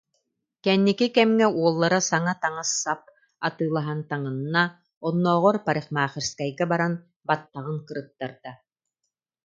Кэнники кэмҥэ уоллара саҥа таҥас-сап атыылаһан таҥынна, оннооҕор парикмахерскайга баран баттаҕын кырыттарда